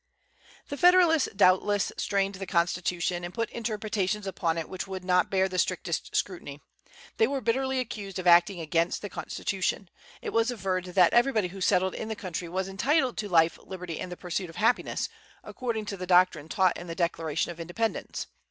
The Federalists doubtless strained the Constitution, and put interpretations upon it which would not bear the strictest scrutiny. They were bitterly accused of acting against the Constitution. It was averred that everybody who settled in the country was entitled to "life, liberty, and the pursuit of happiness," according to the doctrine taught in the Declaration of Independence.